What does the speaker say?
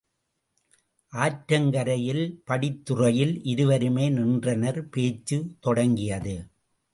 ஆற்றங்கரையில் படித்துறையில் இருவருமே நின்றனர், பேச்சு தொடங்கியது.